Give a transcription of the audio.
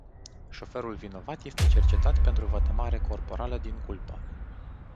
Șoferul vinovat este cercetat pentru vătămare corporală din culpă.